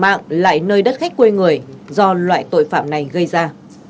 mạng lại nơi đất khách quê người do loại tội phạm này gây ra